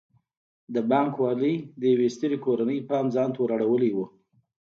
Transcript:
د بانک والۍ د یوې سترې کورنۍ پام ځان ته ور اړولی و.